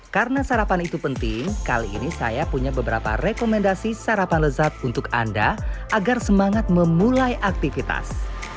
karena sarapan itu penting kali ini saya punya beberapa rekomendasi sarapan lezat untuk anda agar semangat memulai aktivitas